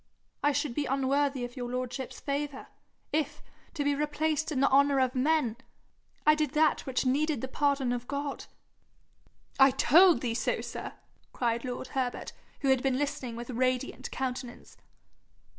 I should be unworthy of your lordship's favour, if, to be replaced in the honour of men, I did that which needed the pardon of God.' 'I told thee so, sir!' cried lord Herbert, who had been listening with radiant countenance.